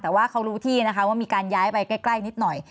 แต่ว่าเขารู้ที่นะคะว่ามีการย้ายไปใกล้นิดหน่อย